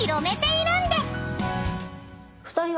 ２人は。